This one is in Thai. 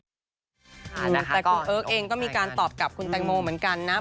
แต่คุณเอิร์กเองก็มีการตอบกับคุณแตงโมเหมือนกันนะ